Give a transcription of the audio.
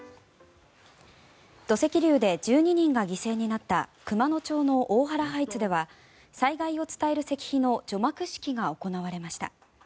土石流で１２人が犠牲になった熊野町の大原ハイツでは災害を伝える石碑の除幕式が行われました。